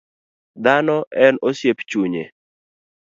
Dhano en osiep chunye.